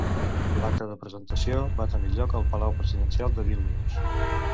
L'acte de presentació va tenir lloc al Palau presidencial de Vílnius.